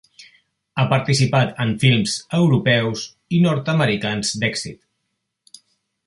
Ha participat en films europeus i nord-americans d'èxit.